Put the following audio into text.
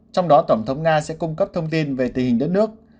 trong đó tổng thống nga sẽ cung cấp thông tin về tình hình đất nước